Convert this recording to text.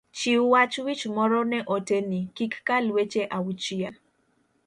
chiw wach wich moro ne ote ni, kik kal weche auchiel